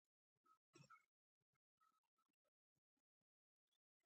لږ وروسته محمد اعظم خان او سردار عبدالرحمن خان کابل ونیوی.